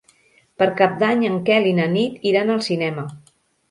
Per Cap d'Any en Quel i na Nit iran al cinema.